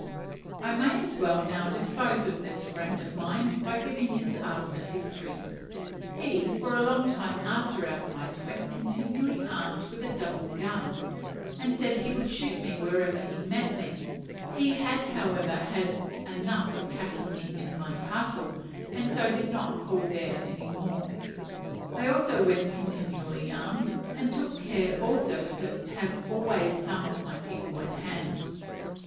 I may as well now dispose of this friend of mine, by giving his after history. He for a long time after our fight went continually armed with a double gun, and said he would shoot me wherever he met me; he however had had enough of attacking me in my "castle," and so did not call there any more. I also went continually armed, and took care also to have always some of my people at hand.